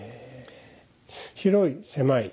広い狭い。